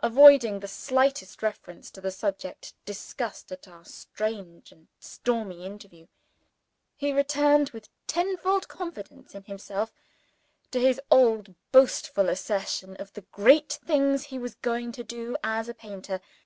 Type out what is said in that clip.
Avoiding the slightest reference to the subject discussed at our strange and stormy interview, he returned, with tenfold confidence in himself, to his old boastful assertion of the great things he was going to do as a painter.